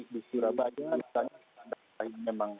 di surabaya misalnya memang